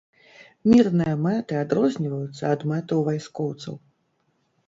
Мірныя мэты адрозніваюцца ад мэтаў вайскоўцаў.